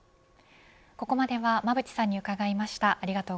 ここまでは馬渕さんに伺いました。